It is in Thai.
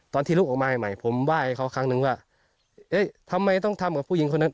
ตอนที่ลุกออกมาใหม่ผมไหว้เขาครั้งนึงว่าเอ๊ะทำไมต้องทำกับผู้หญิงคนนั้น